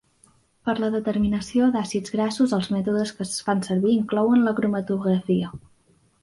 Per la determinació d'àcids grassos els mètodes que es fan servir inclouen la cromatografia.